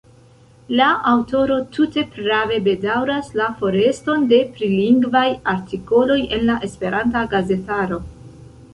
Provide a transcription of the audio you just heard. La aŭtoro tute prave bedaŭras la foreston de prilingvaj artikoloj en la esperanta gazetaro.